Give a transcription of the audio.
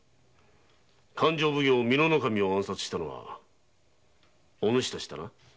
勘定奉行美濃守を暗殺したのはお主たちだな。